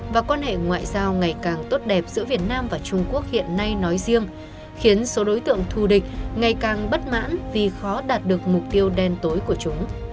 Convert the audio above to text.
và quan hệ ngoại giao ngày càng tốt đẹp giữa việt nam và trung quốc hiện nay nói riêng khiến số đối tượng thù địch ngày càng bất mãn vì khó đạt được mục tiêu đen tối của chúng